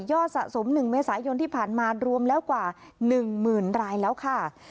สะสม๑เมษายนที่ผ่านมารวมแล้วกว่า๑๐๐๐รายแล้วค่ะ